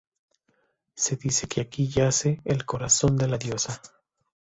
Se dice que aquí yace el corazón de la diosa.